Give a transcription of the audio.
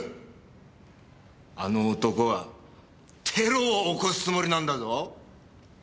あの男はテロを起こすつもりなんだぞ。